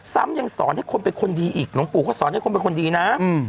ซ้ำยังสอนให้คนเป็นคนดีอีกหลวงปู่เขาสอนให้คนเป็นคนดีนะ